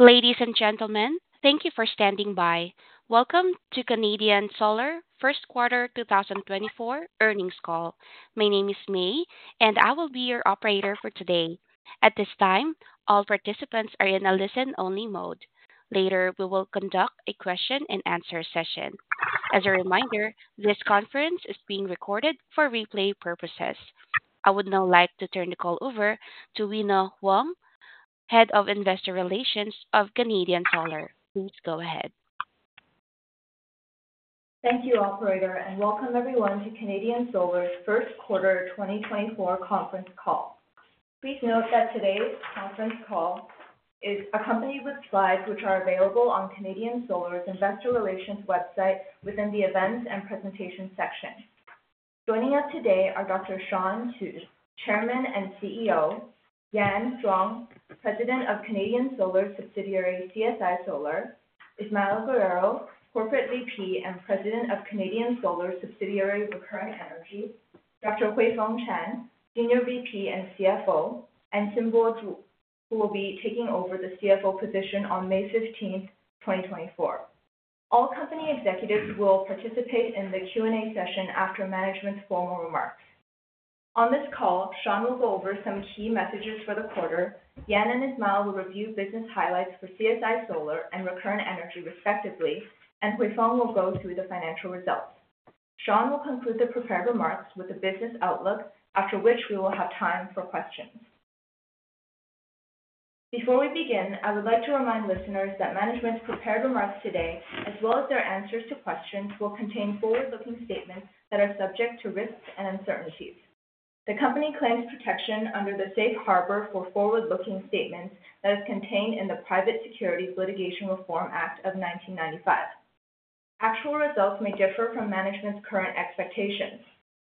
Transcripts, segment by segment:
Ladies and gentlemen, thank you for standing by. Welcome to Canadian Solar Q1 2024 earnings call. My name is May, and I will be your operator for today. At this time, all participants are in a listen-only mode. Later, we will conduct a question-and-answer session. As a reminder, this conference is being recorded for replay purposes. I would now like to turn the call over to Wina Huang, Head of Investor Relations of Canadian Solar. Please go ahead. Thank you, operator, and welcome everyone to Canadian Solar's Q1 2024 conference call. Please note that today's conference call is accompanied with slides, which are available on Canadian Solar's investor relations website within the Events and Presentation section. Joining us today are Dr. Shawn Qu, Chairman and CEO, Yan Zhuang, President of Canadian Solar subsidiary, CSI Solar, Ismael Guerrero, Corporate VP and President of Canadian Solar subsidiary, Recurrent Energy, Dr. Huifeng Chang, Senior VP and CFO, and Xinbo Zhu, who will be taking over the CFO position on May 15th, 2024. All company executives will participate in the Q&A session after management's formal remarks. On this call, Shawn will go over some key messages for the quarter. Yan and Ismael will review business highlights for CSI Solar and Recurrent Energy, respectively, and Huifeng will go through the financial results. Shawn will conclude the prepared remarks with the business outlook, after which we will have time for questions. Before we begin, I would like to remind listeners that management's prepared remarks today, as well as their answers to questions, will contain forward-looking statements that are subject to risks and uncertainties. The company claims protection under the safe harbor for forward-looking statements that is contained in the Private Securities Litigation Reform Act of 1995. Actual results may differ from management's current expectations.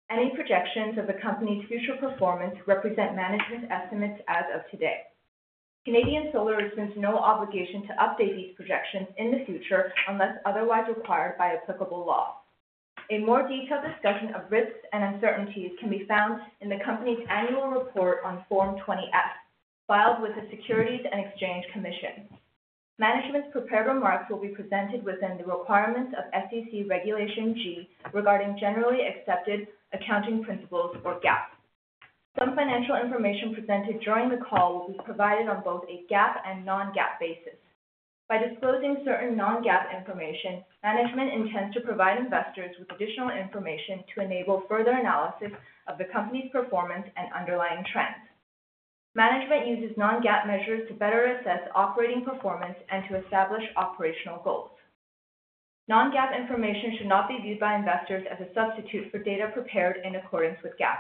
Any projections of the company's future performance represent management's estimates as of today. Canadian Solar assumes no obligation to update these projections in the future unless otherwise required by applicable law. A more detailed discussion of risks and uncertainties can be found in the company's annual report on Form 20-F, filed with the Securities and Exchange Commission. Management's prepared remarks will be presented within the requirements of SEC Regulation G, regarding generally accepted accounting principles or GAAP. Some financial information presented during the call will be provided on both a GAAP and non-GAAP basis. By disclosing certain non-GAAP information, management intends to provide investors with additional information to enable further analysis of the company's performance and underlying trends. Management uses non-GAAP measures to better assess operating performance and to establish operational goals. Non-GAAP information should not be viewed by investors as a substitute for data prepared in accordance with GAAP.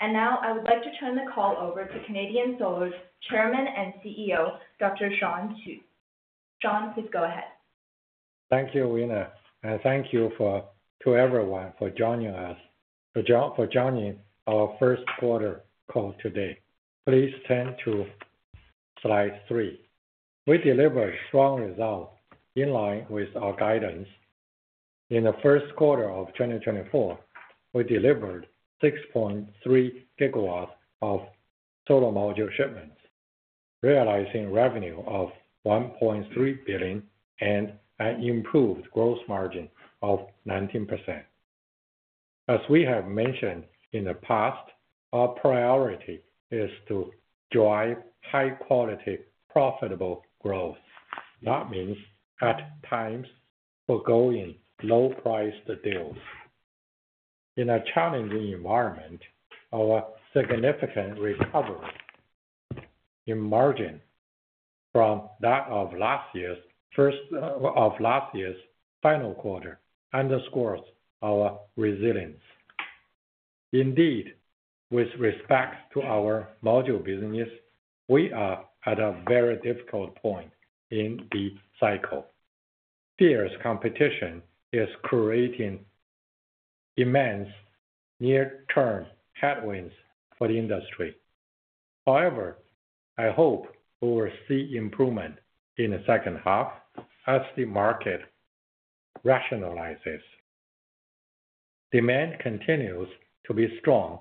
Now, I would like to turn the call over to Canadian Solar's Chairman and CEO, Dr. Shawn Qu. Shawn, please go ahead. Thank you, Wina, and thank you to everyone for joining us for joining our Q1 call today. Please turn to slide three. We delivered strong results in line with our guidance. In the Q1 of 2024, we delivered 6.3 GW of solar module shipments, realizing revenue of $1.3 billion and an improved gross margin of 19%. As we have mentioned in the past, our priority is to drive high quality, profitable growth. That means at times foregoing low-priced deals. In a challenging environment, our significant recovery in margin from that of last year's first of last year's final quarter underscores our resilience. Indeed, with respect to our module business, we are at a very difficult point in the cycle. Fierce competition is creating immense near-term headwinds for the industry. However, I hope we will see improvement in the second half as the market rationalizes. Demand continues to be strong,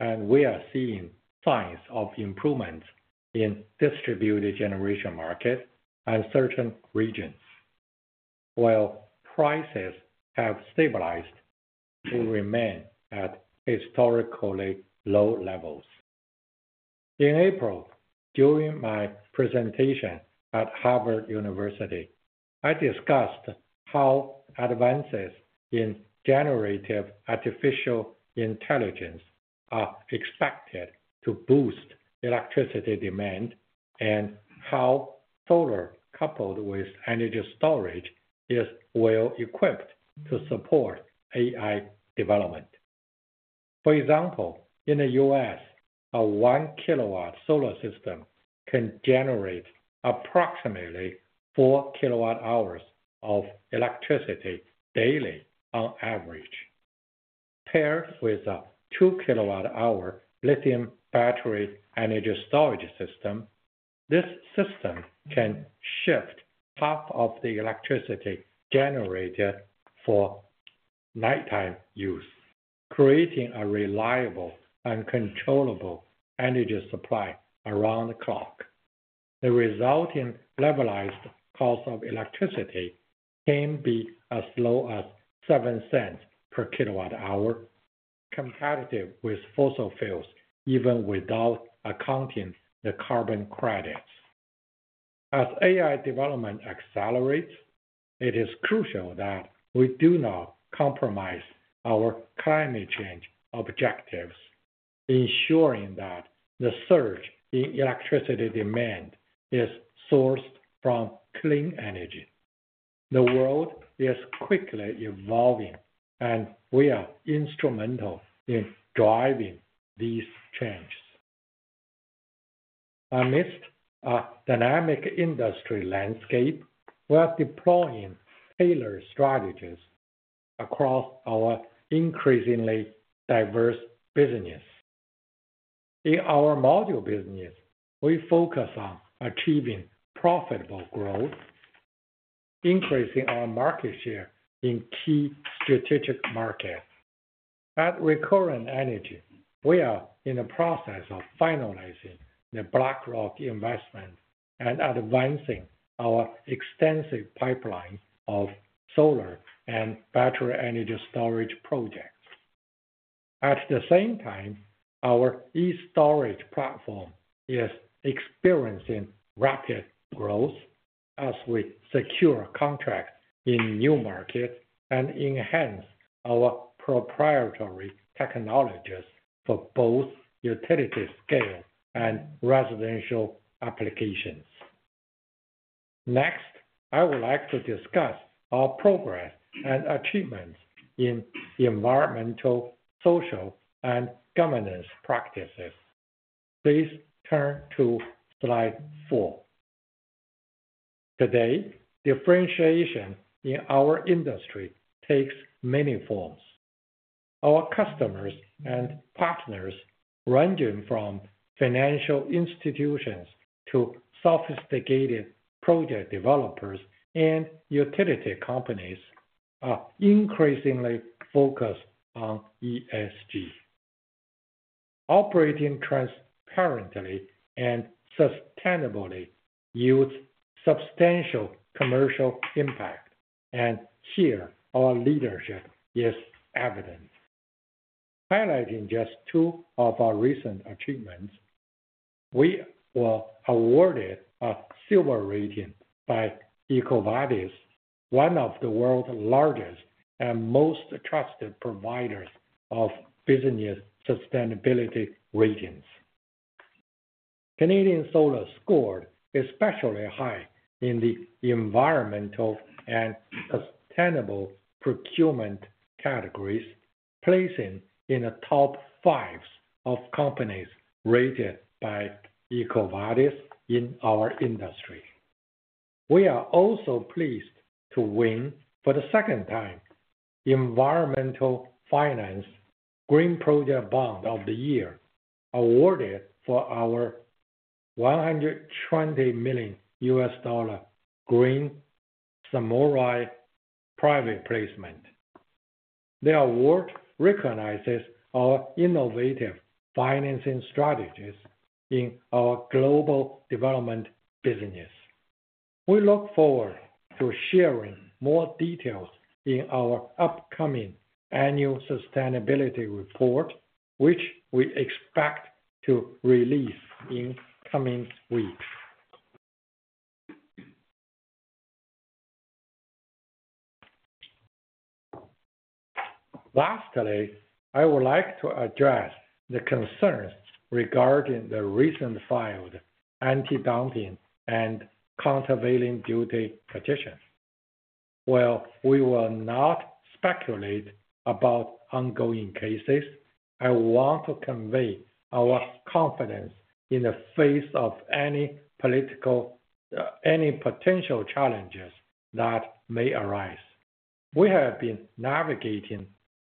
and we are seeing signs of improvement in distributed generation market and certain regions. While prices have stabilized to remain at historically low levels. In April, during my presentation at Harvard University, I discussed how advances in generative artificial intelligence are expected to boost electricity demand, and how solar, coupled with energy storage, is well equipped to support AI development. For example, in the U.S., a 1 kW solar system can generate approximately 4 kWh of electricity daily on average. Paired with a 2 kWh lithium battery energy storage system, this system can shift half of the electricity generated for nighttime use, creating a reliable and controllable energy supply around the clock. The resulting levelized cost of electricity can be as low as $0.07 per kWh, competitive with fossil fuels, even without accounting the carbon credits. As AI development accelerates, it is crucial that we do not compromise our climate change objectives, ensuring that the surge in electricity demand is sourced from clean energy. The world is quickly evolving, and we are instrumental in driving these changes. Amidst a dynamic industry landscape, we are deploying tailored strategies across our increasingly diverse business. In our module business, we focus on achieving profitable growth, increasing our market share in key strategic markets. At Recurrent Energy, we are in the process of finalizing the BlackRock investment and advancing our extensive pipeline of solar and battery energy storage projects. At the same time, our e-STORAGE platform is experiencing rapid growth as we secure contracts in new markets and enhance our proprietary technologies for both utility scale and residential applications. Next, I would like to discuss our progress and achievements in environmental, social, and governance practices. Please turn to slide four. Today, differentiation in our industry takes many forms. Our customers and partners, ranging from financial institutions to sophisticated project developers and utility companies, are increasingly focused on ESG. Operating transparently and sustainably yields substantial commercial impact, and here our leadership is evident. Highlighting just two of our recent achievements, we were awarded a silver rating by EcoVadis, one of the world's largest and most trusted providers of business sustainability ratings. Canadian Solar scored especially high in the environmental and sustainable procurement categories, placing in the top five of companies rated by EcoVadis in our industry. We are also pleased to win for the second time, Environmental Finance Green Project Bond of the year, awarded for our $120 million Green Samurai Private Placement. The award recognizes our innovative financing strategies in our global development business. We look forward to sharing more details in our upcoming annual sustainability report, which we expect to release in coming weeks. Lastly, I would like to address the concerns regarding the recently filed antidumping and countervailing duty petitions. While we will not speculate about ongoing cases, I want to convey our confidence in the face of any political, any potential challenges that may arise. We have been navigating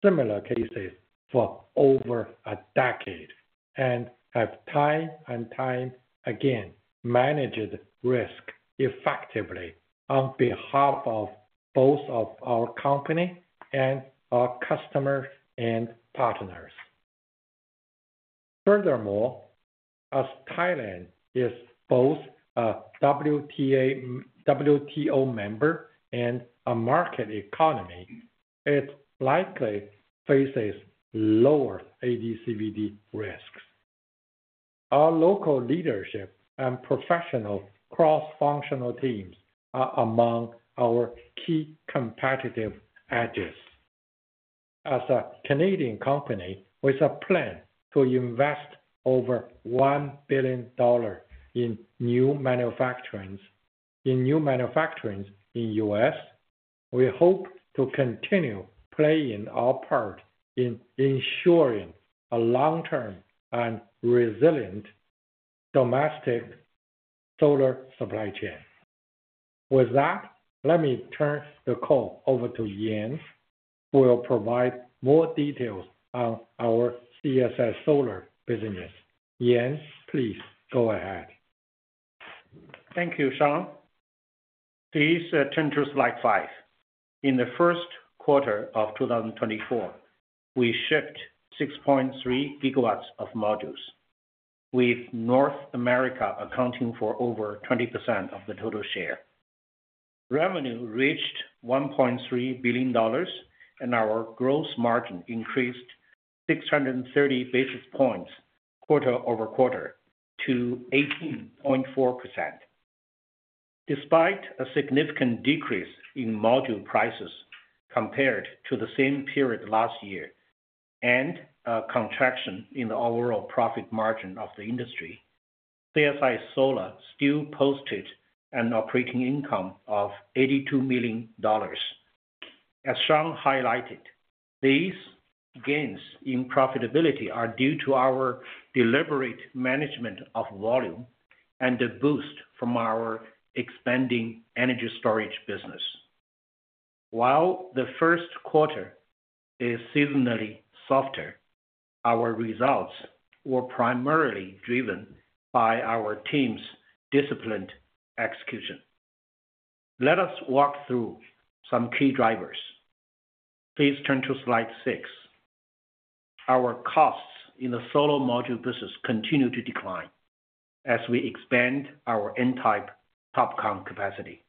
similar cases for over a decade, and have time and time again, managed risk effectively on behalf of both of our company and our customers and partners. Furthermore, as Thailand is both a WTO member and a market economy, it likely faces lower AD/CVD risks. Our local leadership and professional cross-functional teams are among our key competitive edges. As a Canadian company with a plan to invest over $1 billion in new manufacturing, in new manufacturing in U.S., we hope to continue playing our part in ensuring a long-term and resilient domestic solar supply chain. With that, let me turn the call over to Yan Zhuang, who will provide more details on our CSI Solar business. Yan Zhuang, please go ahead. Thank you, Shawn. Please, turn to slide five. In the Q1 of 2024, we shipped 6.3 GW of modules, with North America accounting for over 20% of the total share. Revenue reached $1.3 billion, and our gross margin increased 630 basis points quarter-over-quarter to 18.4%. Despite a significant decrease in module prices compared to the same period last year, and a contraction in the overall profit margin of the industry, CSI Solar still posted an operating income of $82 million. As Sean highlighted, these gains in profitability are due to our deliberate management of volume and the boost from our expanding energy storage business. While the Q1 is seasonally softer, our results were primarily driven by our team's disciplined execution. Let us walk through some key drivers. Please turn to slide six. Our costs in the solar module business continue to decline as we expand our N-type TOPCON capacity,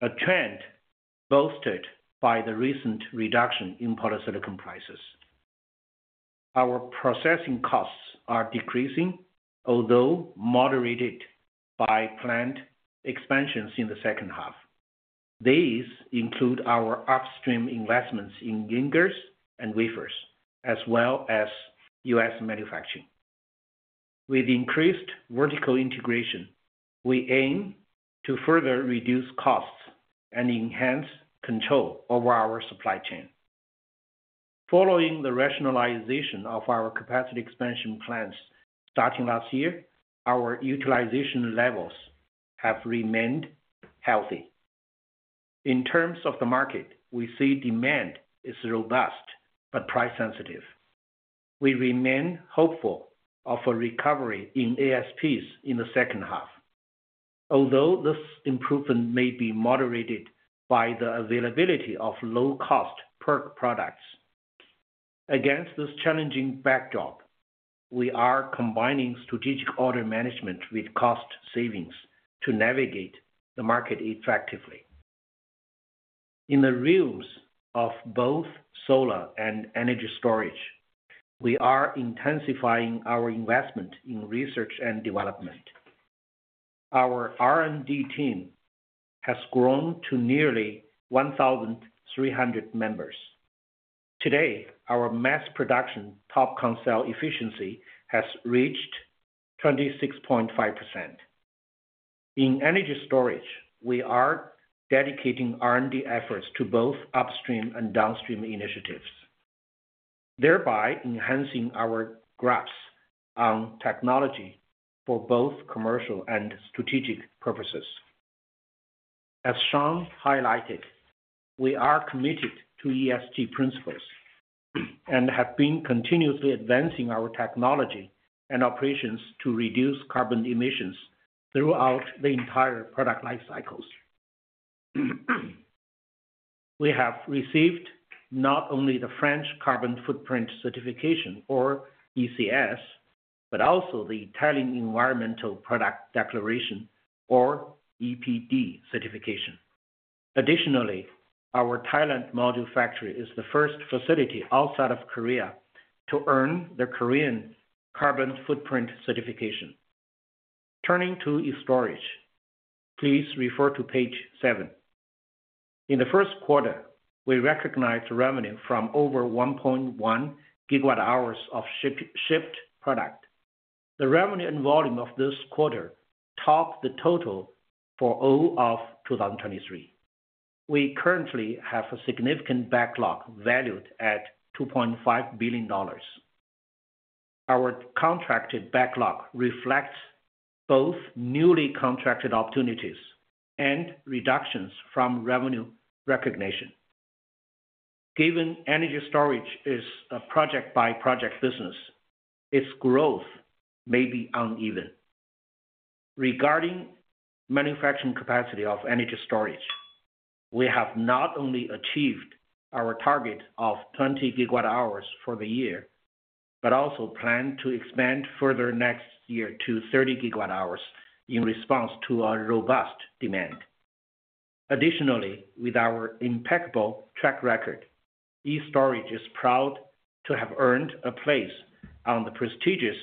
a trend boosted by the recent reduction in polysilicon prices. Our processing costs are decreasing, although moderated by planned expansions in the second half. These include our upstream investments in ingots and wafers, as well as U.S. manufacturing. With increased vertical integration, we aim to further reduce costs and enhance control over our supply chain. Following the rationalization of our capacity expansion plans starting last year, our utilization levels have remained healthy. In terms of the market, we see demand is robust but price sensitive. We remain hopeful of a recovery in ASPs in the second half, although this improvement may be moderated by the availability of low-cost PERC products. Against this challenging backdrop, we are combining strategic order management with cost savings to navigate the market effectively. In the realms of both solar and energy storage, we are intensifying our investment in research and development. Our R&D team has grown to nearly 1,300 members. Today, our mass production TOPCON cell efficiency has reached 26.5%. In energy storage, we are dedicating R&D efforts to both upstream and downstream initiatives, thereby enhancing our grasp on technology for both commercial and strategic purposes. As Shawn highlighted, we are committed to ESG principles, and have been continuously advancing our technology and operations to reduce carbon emissions throughout the entire product life cycles. We have received not only the French Carbon Footprint certification or ECS, but also the Italian Environmental Product Declaration or EPD certification. Additionally, our Thailand module factory is the first facility outside of Korea to earn the Korean Carbon Footprint certification. Turning to e-STORAGE, please refer to page seven. In the Q1, we recognized revenue from over 1.1 GWh of shipped product. The revenue and volume of this quarter topped the total for all of 2023. We currently have a significant backlog valued at $2.5 billion. Our contracted backlog reflects both newly contracted opportunities and reductions from revenue recognition. Given energy storage is a project-by-project business, its growth may be uneven. Regarding manufacturing capacity of energy storage, we have not only achieved our target of 20 GWh for the year, but also plan to expand further next year to 30 GWh in response to our robust demand. Additionally, with our impeccable track record, e-STORAGE is proud to have earned a place on the prestigious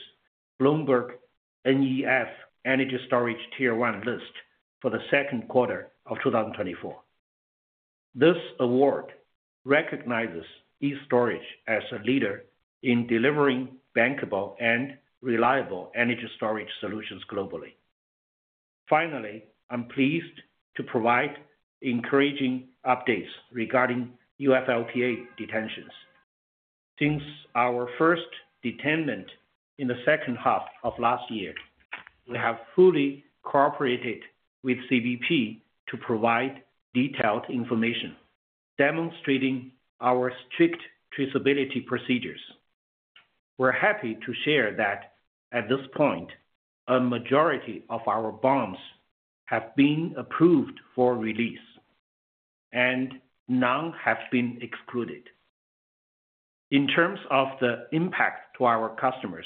BloombergNEF Energy Storage Tier 1 list for the Q2 of 2024. This award recognizes e-STORAGE as a leader in delivering bankable and reliable energy storage solutions globally. Finally, I'm pleased to provide encouraging updates regarding UFLPA detentions. Since our first detention in the second half of last year, we have fully cooperated with CBP to provide detailed information, demonstrating our strict traceability procedures.... We're happy to share that at this point, a majority of our bonds have been approved for release, and none have been excluded. In terms of the impact to our customers,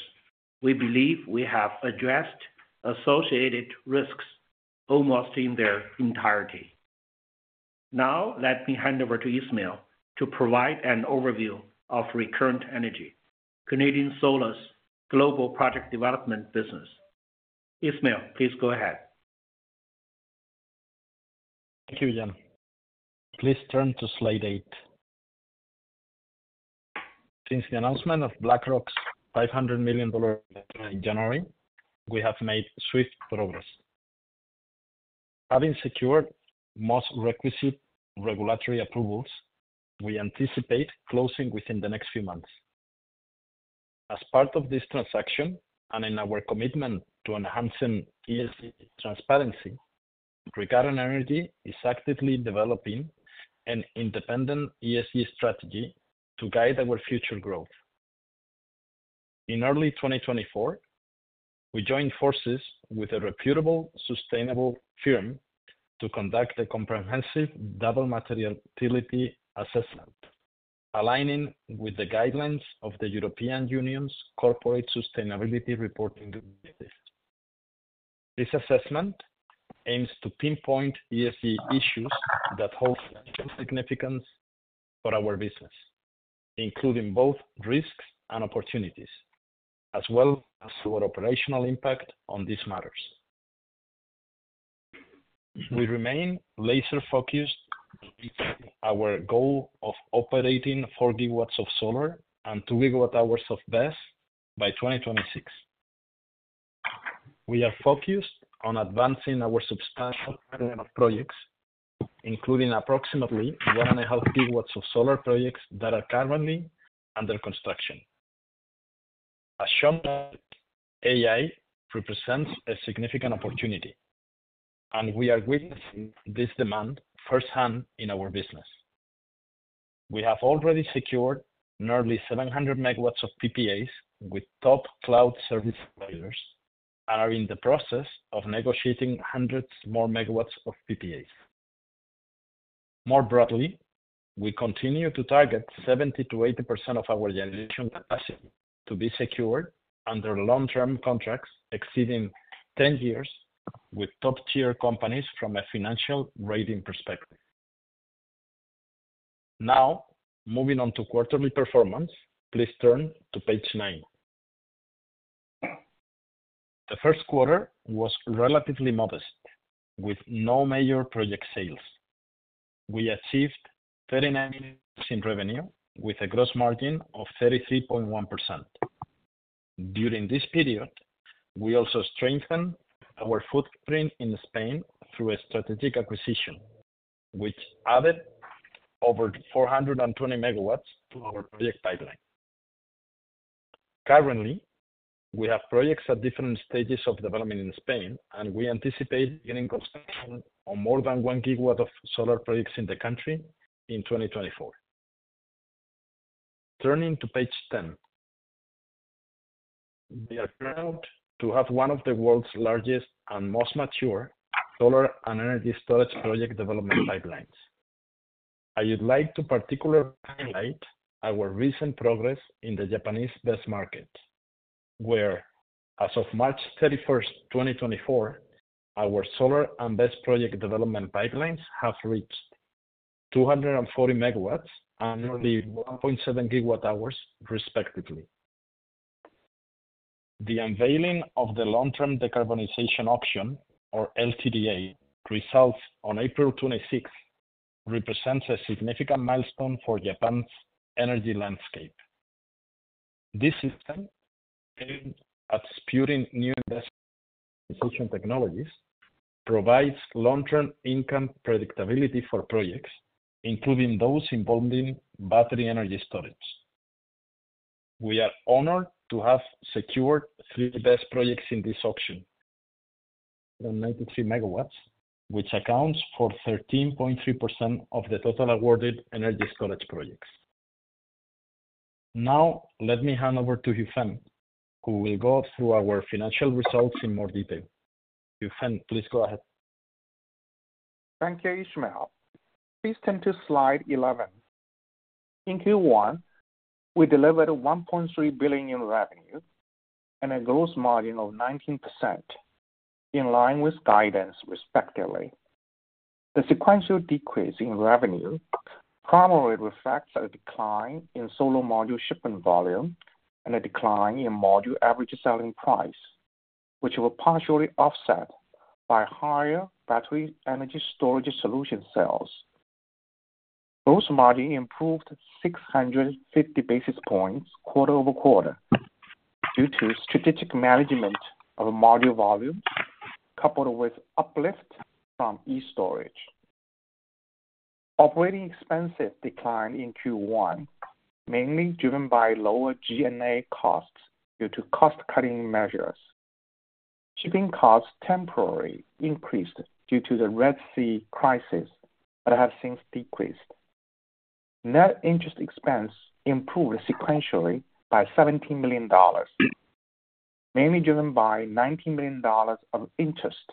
we believe we have addressed associated risks almost in their entirety. Now, let me hand over to Ismael to provide an overview of Recurrent Energy, Canadian Solar's global project development business. Ismael, please go ahead. Thank you, Yan. Please turn to slide eight. Since the announcement of BlackRock's $500 million in January, we have made swift progress. Having secured most requisite regulatory approvals, we anticipate closing within the next few months. As part of this transaction, and in our commitment to enhancing ESG transparency, Recurrent Energy is actively developing an independent ESG strategy to guide our future growth. In early 2024, we joined forces with a reputable, sustainable firm to conduct a comprehensive double materiality assessment, aligning with the guidelines of the European Union's Corporate Sustainability Reporting Directive. This assessment aims to pinpoint ESG issues that hold significance for our business, including both risks and opportunities, as well as our operational impact on these matters. We remain laser-focused on our goal of operating 40 GW of solar and 2 GWh of BESS by 2026. We are focused on advancing our substantial projects, including approximately 1.5 GW of solar projects that are currently under construction. As shown, AI represents a significant opportunity, and we are witnessing this demand firsthand in our business. We have already secured nearly 700 MW of PPAs with top cloud service providers, and are in the process of negotiating hundreds more MW of PPAs. More broadly, we continue to target 70%-80% of our generation capacity to be secured under long-term contracts exceeding 10 years, with top-tier companies from a financial rating perspective. Now, moving on to quarterly performance, please turn to page nine. The Q1 was relatively modest, with no major project sales. We achieved $39 in revenue, with a gross margin of 33.1%. During this period, we also strengthened our footprint in Spain through a strategic acquisition, which added over 420 MW to our project pipeline. Currently, we have projects at different stages of development in Spain, and we anticipate beginning construction on more than 1 GW of solar projects in the country in 2024. Turning to page 10. We are proud to have one of the world's largest and most mature solar and energy storage project development pipelines. I would like to particularly highlight our recent progress in the Japanese BESS market, where as of March 31, 2024, our solar and BESS project development pipelines have reached 240 MW and nearly 1.7 GWh, respectively. The unveiling of the Long-Term Decarbonization Auction, or LTDA, results on April 26 represents a significant milestone for Japan's energy landscape. This system, aimed at spurring new investment in technologies, provides long-term income predictability for projects, including those involving battery energy storage. We are honored to have secured three BESS projects in this auction, and 93 MW, which accounts for 13.3% of the total awarded energy storage projects. Now, let me hand over to Huifeng, who will go through our financial results in more detail. Huifeng, please go ahead. Thank you, Ismael. Please turn to slide 11. In Q1, we delivered $1.3 billion in revenue and a gross margin of 19%, in line with guidance respectively. The sequential decrease in revenue primarily reflects a decline in solar module shipment volume and a decline in module average selling price, which were partially offset by higher battery energy storage solution sales. Gross margin improved 650 basis points quarter-over-quarter, due to strategic management of module volumes, coupled with uplift from e-STORAGE. Operating expenses declined in Q1, mainly driven by lower G&A costs due to cost-cutting measures. Shipping costs temporarily increased due to the Red Sea crisis, but have since decreased. Net interest expense improved sequentially by $17 million, mainly driven by $19 million of interest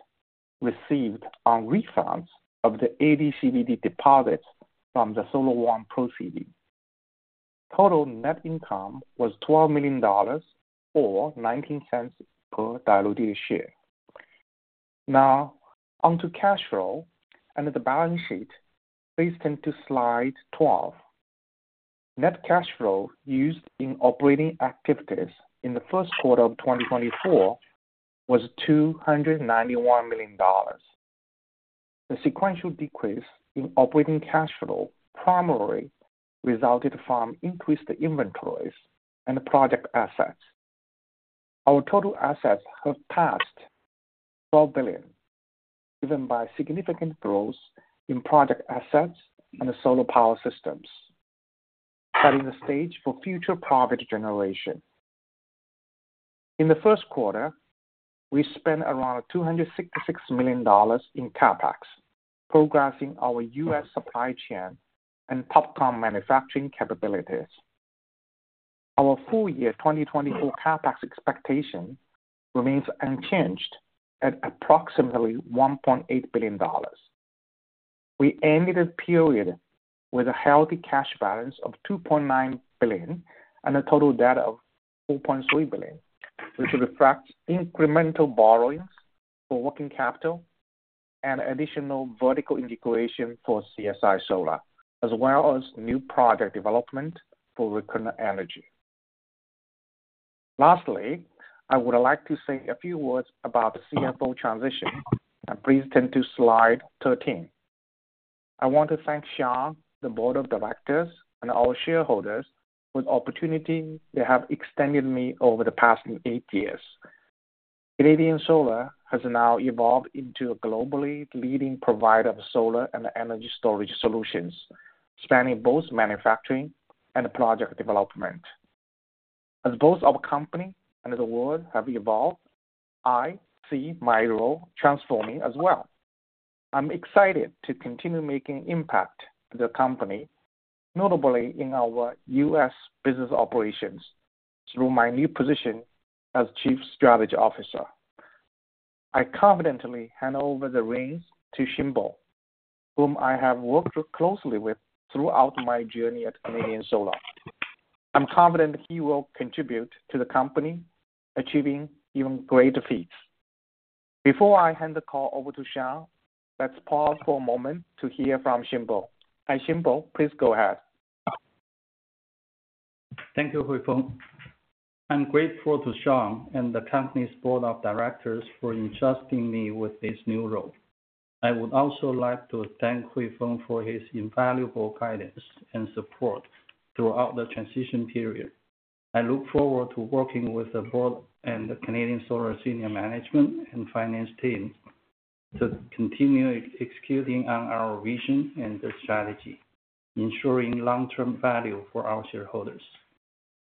received on refunds of the AD/CVD deposits from the Solar One proceeding. Total net income was $12 million, or $0.19 per diluted share. Now, onto cash flow and the balance sheet. Please turn to slide 12. Net cash flow used in operating activities in the Q1 of 2024 was $291 million. The sequential decrease in operating cash flow primarily resulted from increased inventories and project assets. Our total assets have passed $12 billion, driven by significant growth in project assets and solar power systems, setting the stage for future profit generation. In the Q1, we spent around $266 million in CapEx, progressing our U.S. supply chain and TOPCON manufacturing capabilities. Our full year 2024 CapEx expectation remains unchanged at approximately $1.8 billion. We ended the period with a healthy cash balance of $2.9 billion and a total debt of $4.3 billion, which reflects incremental borrowings for working capital and additional vertical integration for CSI Solar, as well as new product development for Recurrent Energy. Lastly, I would like to say a few words about the CFO transition. Please turn to slide 13. I want to thank Shawn, the board of directors, and our shareholders for the opportunity they have extended me over the past 8 years. Canadian Solar has now evolved into a globally leading provider of solar and energy storage solutions, spanning both manufacturing and project development. As both our company and the world have evolved, I see my role transforming as well. I'm excited to continue making impact to the company, notably in our U.S. business operations, through my new position as Chief Strategy Officer. I confidently hand over the reins to Xinbo, whom I have worked closely with throughout my journey at Canadian Solar. I'm confident he will contribute to the company achieving even greater feats. Before I hand the call over to Shawn, let's pause for a moment to hear from Xinbo. Xinbo, please go ahead. Thank you, Huifeng. I'm grateful to Shawn and the company's board of directors for entrusting me with this new role. I would also like to thank Huifeng for his invaluable guidance and support throughout the transition period. I look forward to working with the board and the Canadian Solar senior management and finance team to continue executing on our vision and the strategy, ensuring long-term value for our shareholders.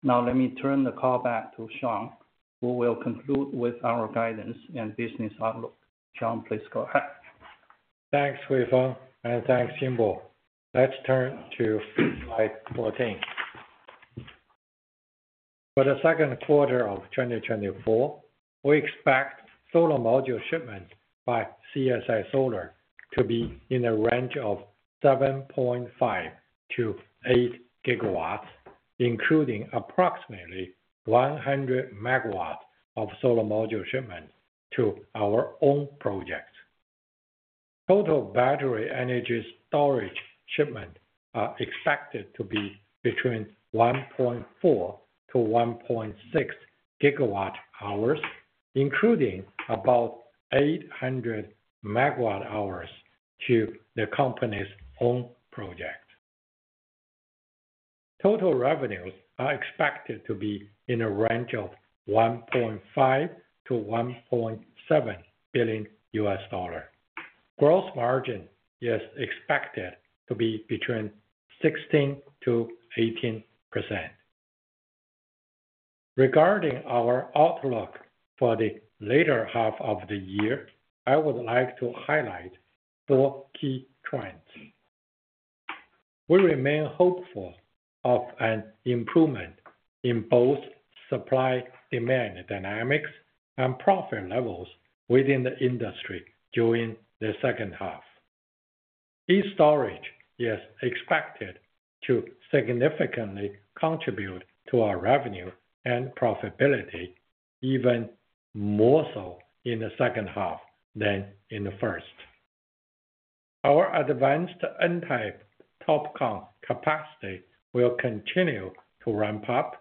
Now, let me turn the call back to Shawn, who will conclude with our guidance and business outlook. Shawn, please go ahead. Thanks, Huifeng, and thanks, Xinbo. Let's turn to slide 14. For the Q2 of 2024, we expect solar module shipments by CSI Solar to be in a range of 7.5-8 GW, including approximately 100 MW of solar module shipments to our own projects. Total battery energy storage shipments are expected to be between 1.4-1.6 GWh, including about 800 MWh to the company's own project. Total revenues are expected to be in a range of $1.5-$1.7 billion. Gross margin is expected to be between 16%-18%. Regarding our outlook for the latter half of the year, I would like to highlight four key trends. We remain hopeful of an improvement in both supply, demand dynamics, and profit levels within the industry during the second half. e-STORAGE is expected to significantly contribute to our revenue and profitability, even more so in the second half than in the first. Our advanced N-type TOPCON capacity will continue to ramp up,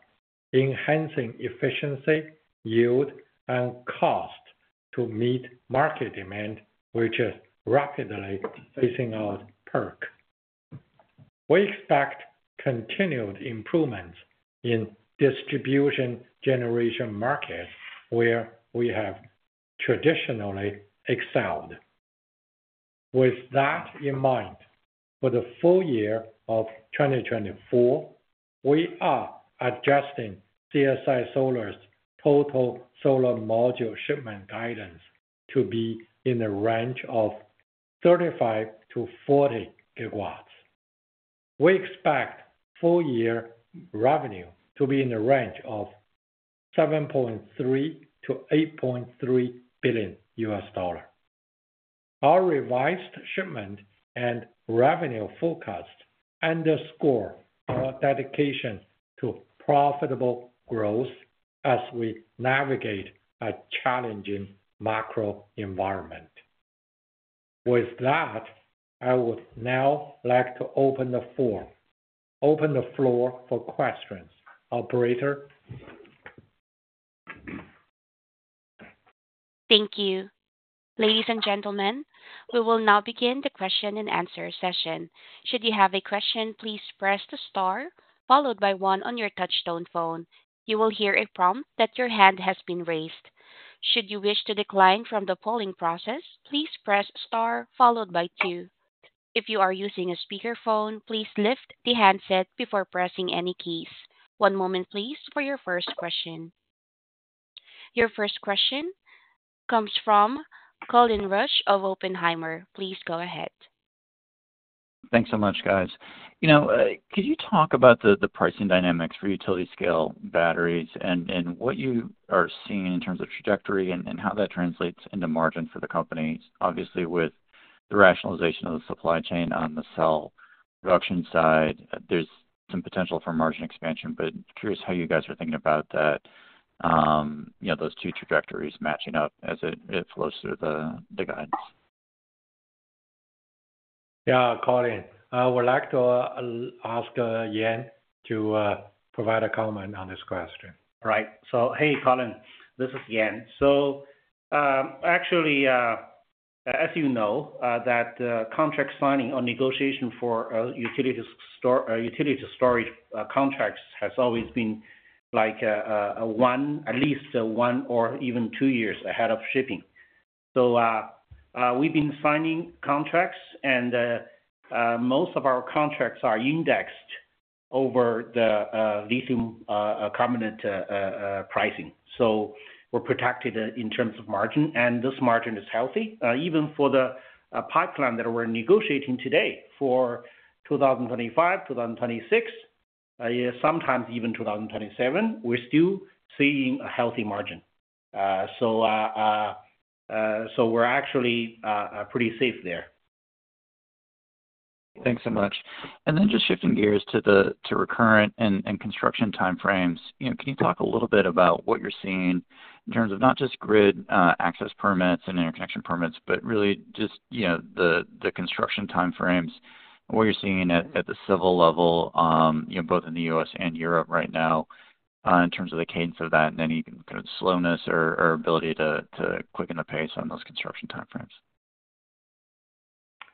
enhancing efficiency, yield, and cost to meet market demand, which is rapidly facing PERC. We expect continued improvements in distributed generation market, where we have traditionally excelled. With that in mind, for the full year of 2024, we are adjusting CSI Solar's total solar module shipment guidance to be in the range of 35-40 GW. We expect full year revenue to be in the range of $7.3 billion-$8.3 billion. Our revised shipment and revenue forecast underscore our dedication to profitable growth as we navigate a challenging macro environment. With that, I would now like to open the floor, open the floor for questions. Operator? Thank you. Ladies and gentlemen, we will now begin the question and answer session. Should you have a question, please press the star followed by one on your touchtone phone. You will hear a prompt that your hand has been raised. Should you wish to decline from the polling process, please press star followed by two. If you are using a speakerphone, please lift the handset before pressing any keys. One moment, please, for your first question. Your first question comes from Colin Rusch of Oppenheimer. Please go ahead. Thanks so much, guys. You know, could you talk about the pricing dynamics for utility scale batteries and what you are seeing in terms of trajectory and how that translates into margin for the company? Obviously, with the rationalization of the supply chain on the cell production side, there's some potential for margin expansion, but curious how you guys are thinking about that, you know, those two trajectories matching up as it flows through the guides. Yeah, Colin, I would like to ask Yan to provide a comment on this question. Right. So, hey, Colin, this is Yan. So, actually, as you know, that, contract signing or negotiation for, utility storage, contracts has always been like, one, at least one or even two years ahead of shipping. So, we've been signing contracts, and, most of our contracts are indexed over the, lithium, carbonate, pricing. So we're protected in terms of margin, and this margin is healthy. Even for the, pipeline that we're negotiating today for 2025, 2026, sometimes even 2027, we're still seeing a healthy margin. So, so we're actually, pretty safe there. Thanks so much. And then just shifting gears to Recurrent and construction timeframes, you know, can you talk a little bit about what you're seeing in terms of not just grid access permits and interconnection permits, but really just, you know, the construction timeframes, what you're seeing at the civil level, you know, both in the U.S. and Europe right now, in terms of the cadence of that and any kind of slowness or ability to quicken the pace on those construction timeframes?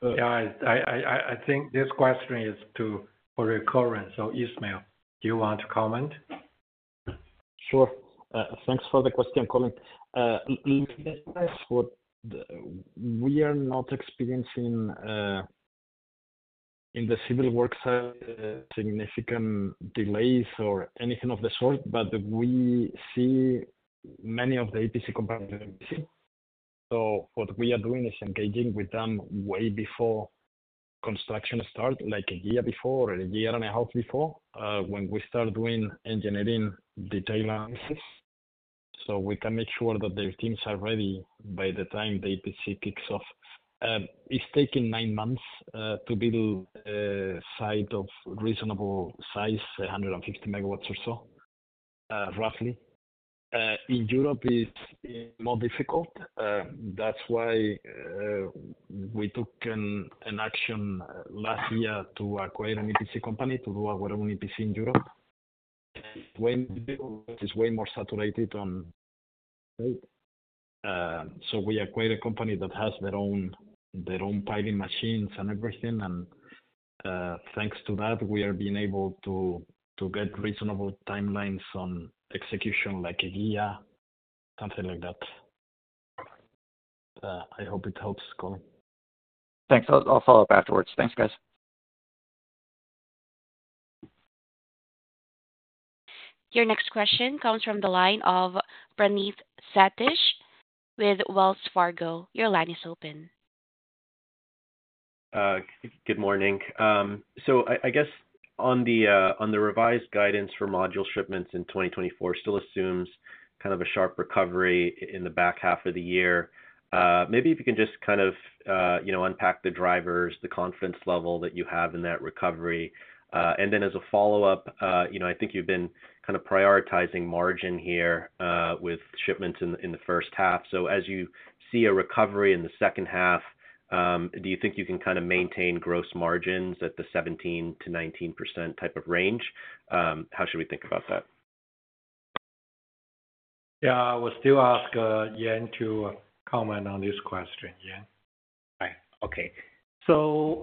Yeah, I think this question is to, for Recurrent, so, Ismael, do you want to comment? Sure. Thanks for the question, Colin. We are not experiencing, in the civil works side, significant delays or anything of the sort, but we see many of the EPC companies. So what we are doing is engaging with them way before construction start, like a year before or a year and a half before, when we start doing engineering detail analysis, so we can make sure that their teams are ready by the time the EPC kicks off. It's taking nine months to build a site of reasonable size, 150 MW or so, roughly. In Europe, it's more difficult, that's why we took an action last year to acquire an EPC company to do our own EPC in Europe. When it is way more saturated on, so we acquired a company that has their own, their own piling machines and everything, and, thanks to that, we are being able to, to get reasonable timelines on execution, like a year, something like that. I hope it helps, Colin. Thanks. I'll follow up afterwards. Thanks, guys. Your next question comes from the line of Praneeth Satish with Wells Fargo. Your line is open. Good morning. So I guess on the revised guidance for module shipments in 2024, still assumes kind of a sharp recovery in the back half of the year. Maybe if you can just kind of you know unpack the drivers, the confidence level that you have in that recovery. And then as a follow-up, you know I think you've been kind of prioritizing margin here with shipments in the first half. So as you see a recovery in the second half, do you think you can kind of maintain gross margins at the 17%-19% type of range? How should we think about that? Yeah, I will still ask, Yan to comment on this question. Yan? Hi. Okay. So,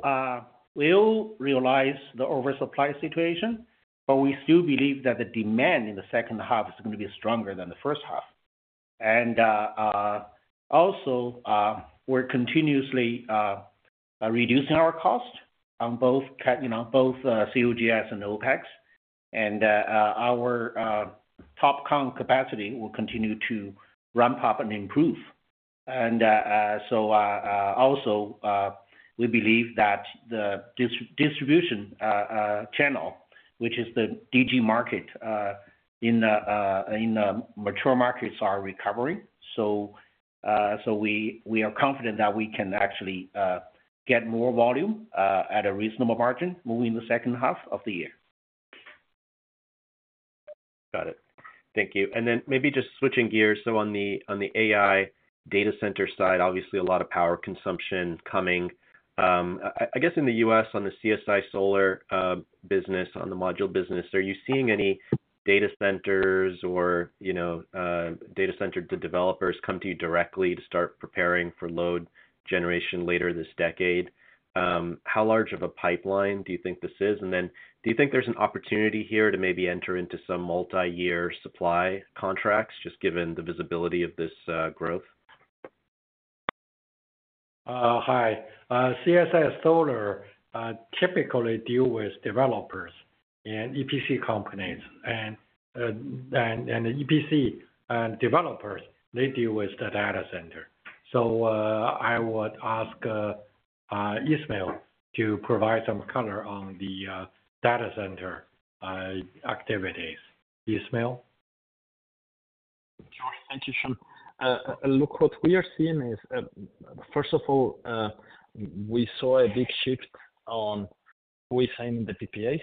we all realize the oversupply situation, but we still believe that the demand in the second half is going to be stronger than the first half. And, also, we're continuously reducing our cost on both, you know, both COGS and OpEx. And, our TOPCON capacity will continue to ramp up and improve. And, so, also, we believe that the distribution channel, which is the DG market, in mature markets, are recovering. So, so we are confident that we can actually get more volume at a reasonable margin moving in the second half of the year. Got it. Thank you. And then maybe just switching gears. So on the, on the AI data center side, obviously a lot of power consumption coming. I guess in the U.S., on the CSI Solar business, on the module business, are you seeing any data centers or, you know, data center developers come to you directly to start preparing for load generation later this decade? How large of a pipeline do you think this is? And then do you think there's an opportunity here to maybe enter into some multi-year supply contracts, just given the visibility of this growth? Hi. CSI Solar typically deal with developers and EPC companies. And EPC developers, they deal with the data center. So, I would ask Ismael to provide some color on the data center activities. Ismael? Sure. Thank you, Shawn. Look, what we are seeing is, first of all, we saw a big shift on who is signing the PPAs.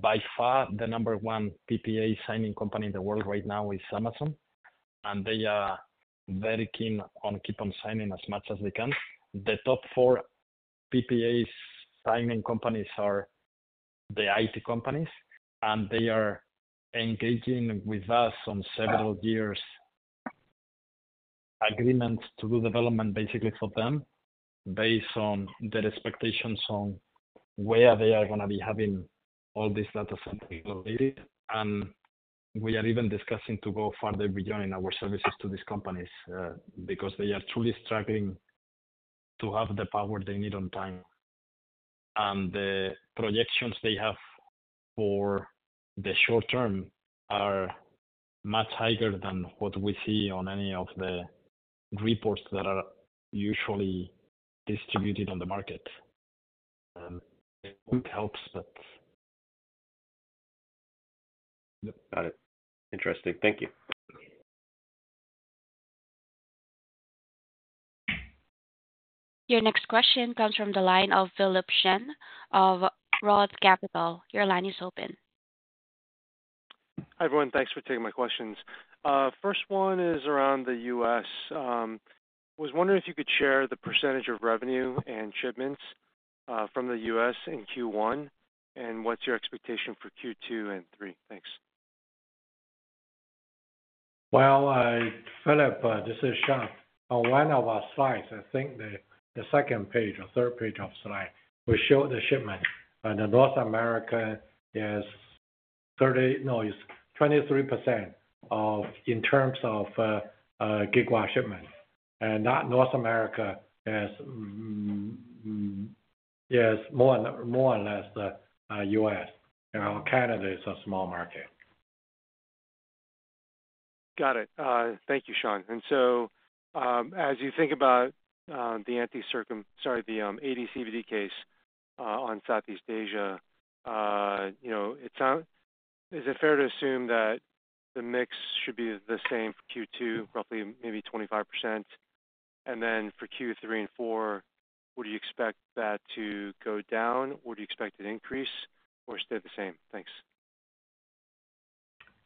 By far, the number one PPA signing company in the world right now is Amazon, and they are very keen on keep on signing as much as they can. The top four PPAs signing companies are the IT companies, and they are engaging with us on several years agreements to do development basically for them, based on their expectations on where they are gonna be having all this data center located. And we are even discussing to go farther beyond in our services to these companies, because they are truly struggling to have the power they need on time. The projections they have for the short term are much higher than what we see on any of the reports that are usually distributed on the market. It helps, but. Got it. Interesting. Thank you. Your next question comes from the line of Philip Shen of Roth Capital. Your line is open. Hi, everyone. Thanks for taking my questions. First one is around the U.S. Was wondering if you could share the percentage of revenue and shipments from the U.S. in Q1, and what's your expectation for Q2 and three? Thanks. Well, Philip, this is Shawn. On one of our slides, I think the second page or third page of slide, we showed the shipment. North America is 30 no, it's 23% of, in terms of, gigawatt shipment. North America is, yes, more or less the U.S. You know, Canada is a small market. Got it. Thank you, Shawn. As you think about the AD/CVD case on Southeast Asia, you know, is it fair to assume that the mix should be the same for Q2, roughly maybe 25%? And then for Q3 and Q4, would you expect that to go down? Would you expect it increase or stay the same? Thanks.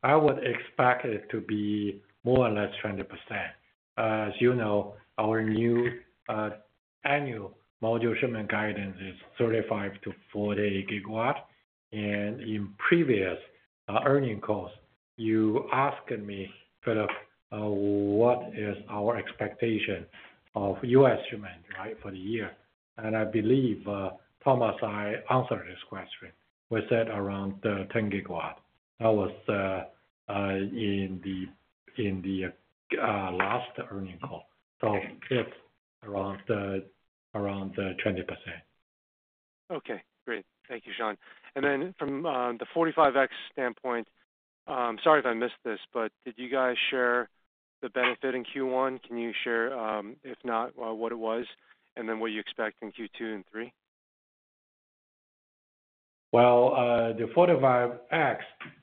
I would expect it to be more or less 20%. As you know, our new annual module shipment guidance is 35-40 GW. In previous earnings calls, you asked me, Philip, what is our expectation of U.S. shipment, right, for the year? I believe, Thomas, I answered this question. We said around 10 GW. That was in the last earnings call. So it's around 20%. Okay, great. Thank you, Shawn. And then from the 45X standpoint, sorry if I missed this, but did you guys share the benefit in Q1? Can you share, if not, what it was, and then what you expect in Q2 and Q3? Well, the 45X,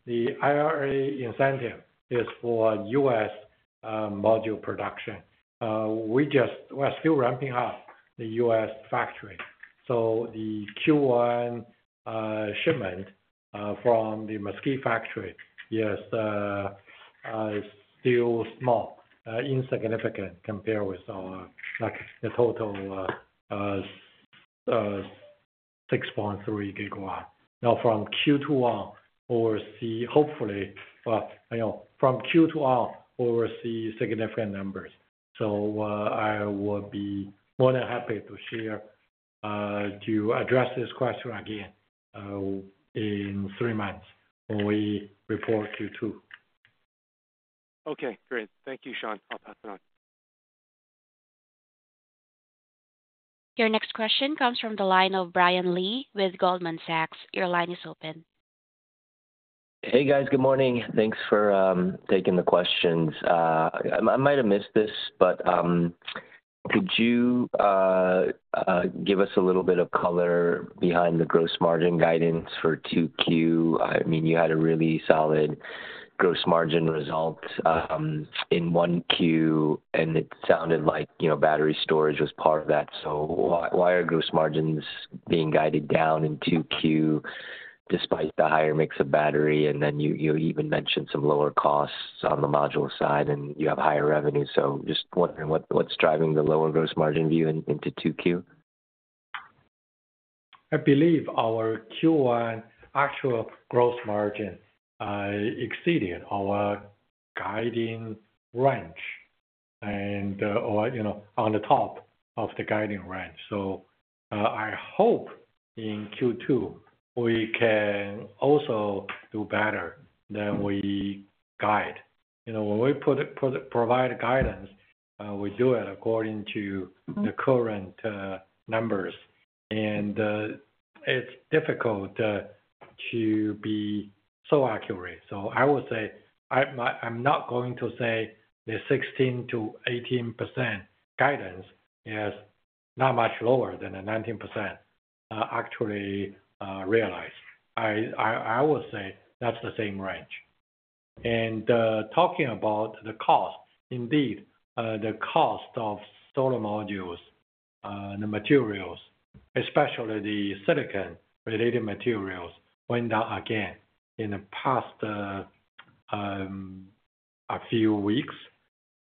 the IRA incentive is for U.S. module production. We're still ramping up the U.S. factory, so the Q1 shipment from the Mesquite factory, yes, is still small, insignificant compared with our, like, the total 6.3 GW. Now, from Q2 on, we'll see hopefully, you know, from Q2 on, we'll see significant numbers. So, I would be more than happy to address this question again in three months when we report Q2. Okay, great. Thank you, Shawn. I'll pass it on. Your next question comes from the line of Brian Lee with Goldman Sachs. Your line is open. Hey, guys. Good morning. Thanks for taking the questions. I might have missed this, but could you give us a little bit of color behind the gross margin guidance for Q2? I mean, you had a really solid gross margin result in Q1, and it sounded like, you know, battery storage was part of that. So why are gross margins being guided down in Q2 despite the higher mix of battery? And then you even mentioned some lower costs on the module side, and you have higher revenue. So just wondering what's driving the lower gross margin view into Q2? I believe our Q1 actual gross margin exceeded our guiding range or, you know, on the top of the guiding range. So, I hope in Q2 we can also do better than we guide. You know, when we provide guidance, we do it according to the current numbers, and it's difficult to be so accurate. So I would say, I'm not going to say the 16%-18% guidance is not much lower than the 19%, actually, realized. I would say that's the same range. And talking about the cost, indeed, the cost of solar modules, the materials, especially the silicon-related materials, went down again in the past a few weeks.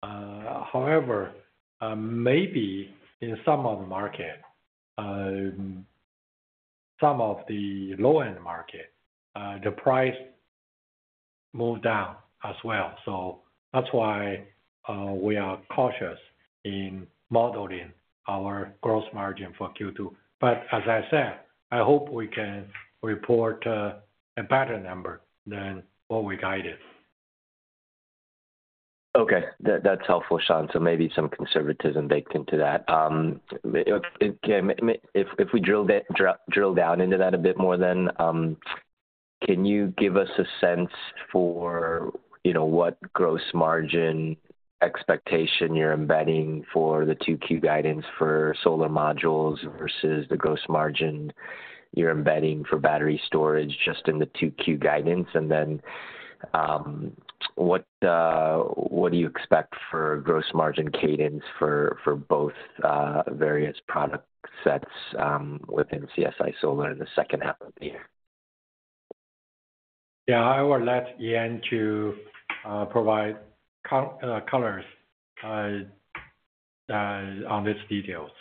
However, maybe in some of the market, some of the low-end market, the price moved down as well. So that's why, we are cautious in modeling our gross margin for Q2. But as I said, I hope we can report a better number than what we guided. Okay. That, that's helpful, Shawn. So maybe some conservatism baked into that. Okay, if we drill down into that a bit more, then, can you give us a sense for, you know, what gross margin expectation you're embedding for the Q2 guidance for solar modules versus the gross margin you're embedding for battery storage just in the Q2 guidance? And then, what do you expect for gross margin cadence for both various product sets within CSI Solar in the second half of the year? Yeah, I will let Yan to provide color on these details.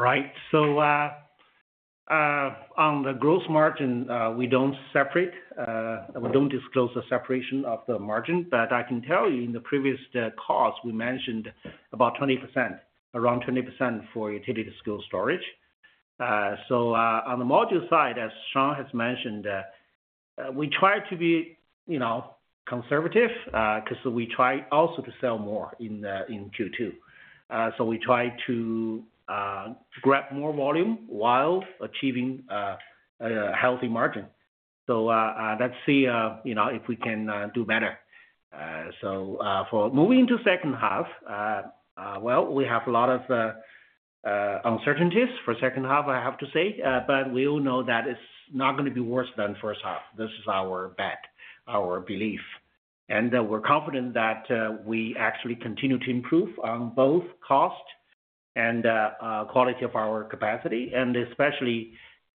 Right. So, on the gross margin, we don't separate, we don't disclose the separation of the margin. But I can tell you in the previous, cost, we mentioned about 20%, around 20% for utility scale storage. So, on the module side, as Shawn has mentioned, we try to be, you know, conservative, 'cause we try also to sell more in the, in Q2. So we try to, grab more volume while achieving, a healthy margin. So, let's see, you know, if we can, do better. So, for moving into second half, well, we have a lot of, uncertainties for second half, I have to say. But we all know that it's not gonna be worse than first half. This is our bet, our belief. We're confident that we actually continue to improve on both cost and quality of our capacity, and especially,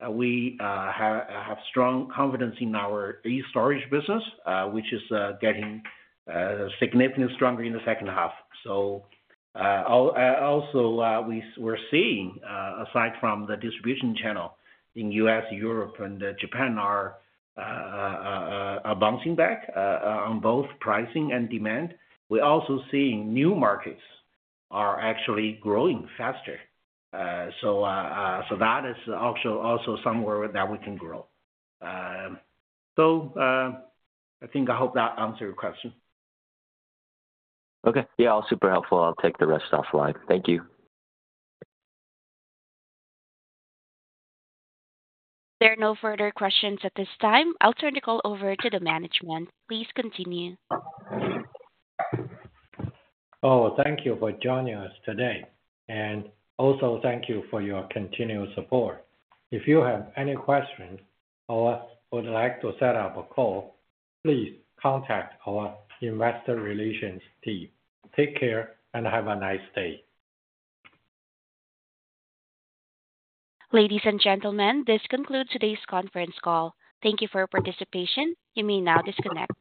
we have strong confidence in our e-STORAGE business, which is getting significantly stronger in the second half. Also, we're seeing, aside from the distribution channel in U.S., Europe and Japan are bouncing back on both pricing and demand. We're also seeing new markets are actually growing faster. So, that is also somewhere where that we can grow. I think I hope that answered your question. Okay. Yeah, all super helpful. I'll take the rest offline. Thank you. There are no further questions at this time. I'll turn the call over to the management. Please continue. Oh, thank you for joining us today, and also thank you for your continued support. If you have any questions or would like to set up a call, please contact our investor relations team. Take care and have a nice day. Ladies and gentlemen, this concludes today's conference call. Thank you for your participation. You may now disconnect.